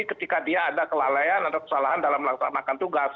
ketika dia ada kelalaian atau kesalahan dalam melaksanakan tugas